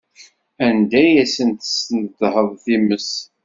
Anda ay asent-tesnedḥeḍ times?